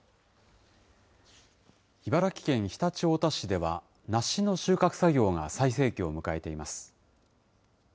茨城県常陸太田市では、梨の収穫作業が最盛期を迎えています。